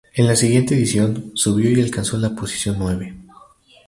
En la siguiente edición, subió y alcanzó la posición nueve.